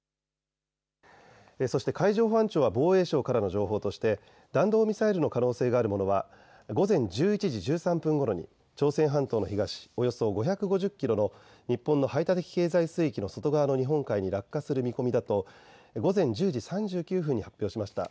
そして海上保安庁は防衛省からの情報として弾道ミサイルの可能性があるものは午前１１時１３分ごろに朝鮮半島の東およそ５５０キロの日本の排他的経済水域の外側の日本海に落下する見込みだと午前１０時３９分に発表しました。